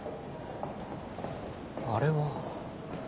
あれは。